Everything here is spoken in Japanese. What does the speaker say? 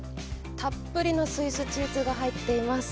たっぷりのスイスチーズが入っています。